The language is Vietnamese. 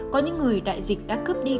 có những người đại dịch đã cướp đi